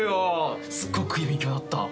すっごくいい勉強になった。